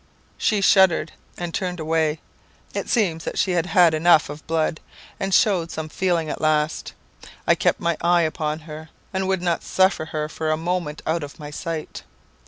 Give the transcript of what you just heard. "She shuddered and turned away. It seems that she had had enough of blood, and shewed some feeling at last. I kept my eye upon her, and would not suffer her for a moment out of my sight.